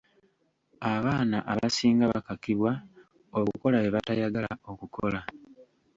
Abaana abasinga bakakibwa okukola bye batayagala okukola.